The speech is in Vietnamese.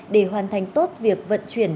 để hoàn thành tốt việc vận chuyển